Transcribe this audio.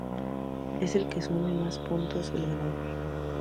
El equipo que sume más puntos es el ganador.